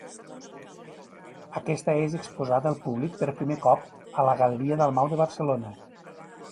Aquesta és exposada al públic per primer cop a la Galeria Dalmau de Barcelona.